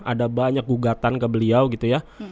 ada banyak gugatan ke beliau gitu ya